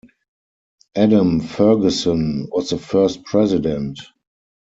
Adam Fergusson was the first president.